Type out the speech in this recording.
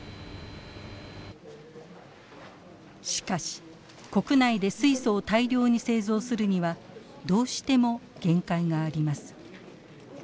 しかし国内で水素を大量に製造するにはどうしても限界があります。